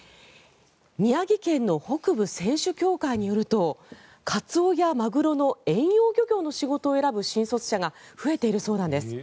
宮城県の北部船主協会によるとカツオやマグロの遠洋漁業の仕事を選ぶ新卒者が増えているそうです。